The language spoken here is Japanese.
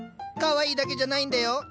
かわいいだけじゃないんだよ。